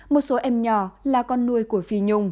một số em nhỏ là con nuôi của phi nhung